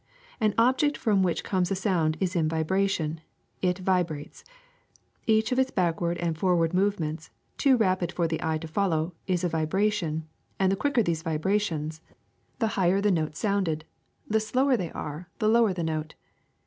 An object from which comes a sound is in vibration ; it vibrates. Each of its backward and forward movements, too rapid for the eye to follow, is a vibration; and the quicker these vibrations, the higher the note SOUND 367 sounded ; the slower they are, the lower the note.